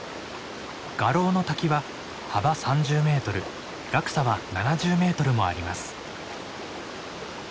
賀老の滝は幅３０メートル落差は７０メートルもあります。